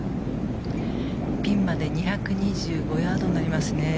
ピンまで２２５ヤードになりますね